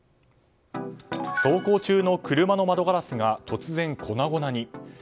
走行中の車の窓ガラスが突然粉々に。